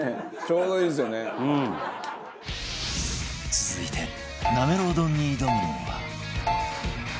続いてなめろう丼に挑むのは